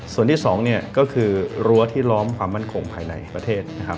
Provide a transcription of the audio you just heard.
ส่วนที่สองเนี่ยก็คือรั้วที่ล้อมความมั่นคงภายในประเทศนะครับ